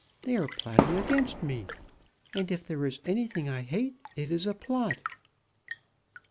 They are plotting against me; and if there is anything I hate it is a plot."